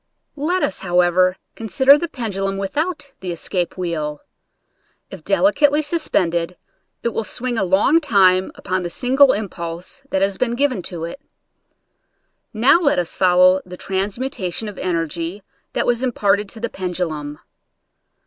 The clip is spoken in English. Let us, how ever, consider the pendulum without the escape wheel. If delicately suspended it will swing a long time upon the single impulse that has been given to it. Now let us follow the transmutations of the energy that was imparted to the pendulum.